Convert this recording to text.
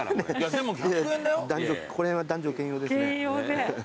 これは男女兼用ですね。